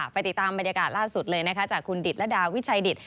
ไปติดตามบรรยากาศล่าสุดเลยนะคะจากคุณดิตระดาวิชัยดิต